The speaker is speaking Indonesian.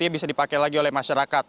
bisa dipakai lagi oleh masyarakat